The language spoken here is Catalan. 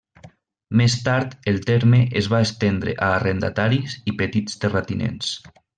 Més tard el terme es va estendre a arrendataris i petits terratinents.